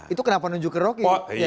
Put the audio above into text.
itu kenapa nunjuk ke rocky